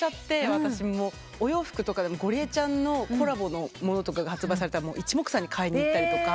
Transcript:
私お洋服とかでもゴリエちゃんのコラボのものとか発売されたら一目散に買いに行ったりとか。